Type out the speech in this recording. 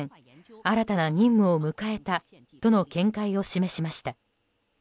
新たな任務を迎えたとの見解を示しました。